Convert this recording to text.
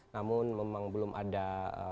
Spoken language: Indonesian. namun memang belum ada respon begitu